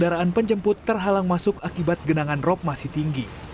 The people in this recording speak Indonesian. dengan membayar ongkos rp dua puluh per orang